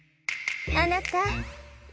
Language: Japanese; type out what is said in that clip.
「あなた！」